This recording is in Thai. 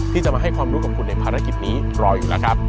ที่จะมาให้ความรู้กับคุณในภารกิจนี้รออยู่แล้วครับ